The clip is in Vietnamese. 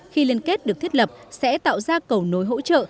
khi liên kết được thiết lập sẽ tạo ra cầu nối hỗ trợ